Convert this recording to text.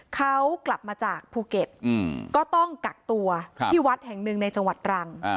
เขากลับมาจากภูเก็ตก็ต้องกักตัวที่วัดแห่งหนึ่งในจังหวัดตรัง